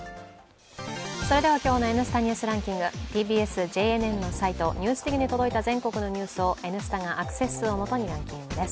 それでは今日の「Ｎスタ・ニュースランキング」ＴＢＳ・ＪＮＮのサイト「ＮＥＷＳＤＩＧ」に届いた全国のニュースを「Ｎスタ」がアクセス数を基にランキングです。